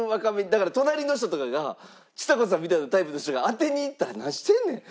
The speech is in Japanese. だから隣の人とかがちさ子さんみたいなタイプの人が当てにいったら「何してんねん！